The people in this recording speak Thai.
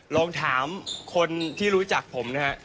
ลองถามคนที่รู้จักผมนะฮะ